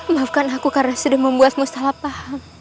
maafkan aku karena sudah membuatmu salah paham